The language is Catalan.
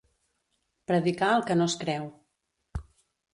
Predicar el que no es creu.